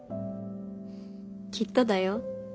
きっとだよ。